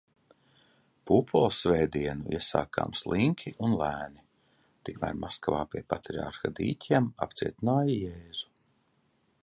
Pūpolsvētdienu iesākām slinki un lēni. Tikmēr Maskavā pie Patriarha dīķiem apcietināja Jēzu.